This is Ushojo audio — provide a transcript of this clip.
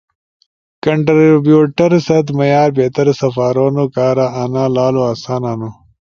کنٹربیوٹر ست معیار بہتر سپارونو کارا، انا لالو آسان ہنو۔